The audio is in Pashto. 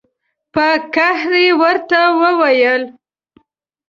په قهر یې ورته وویل.